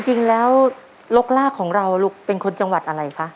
จริงแล้วรกลากของเราลูกเป็นคนจังหวัดอะไรคะ